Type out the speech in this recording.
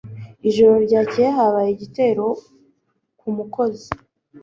Ijoro ryakeye habaye igitero ku mukozi